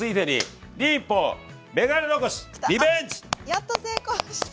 やっと成功した！